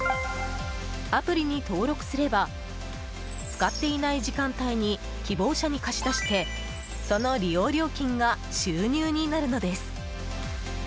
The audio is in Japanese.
アプリに登録すれば使っていない時間帯に希望者に貸し出してその利用料金が収入になるのです。